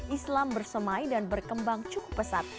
islam bersemai dan berkembang cukup pesat